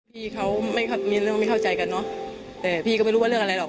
พี่เขามีเรื่องไม่เข้าใจกันเนอะแต่พี่ก็ไม่รู้ว่าเรื่องอะไรหรอก